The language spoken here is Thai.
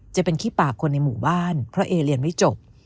จะเป็นขี้ปากคนในหมู่บ้านเพราะเอเรียนไม่จบ